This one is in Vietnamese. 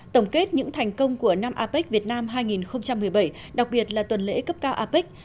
tổng kết những thành công của năm apec việt nam hai nghìn một mươi bảy đặc biệt là tuần lễ cấp cao apec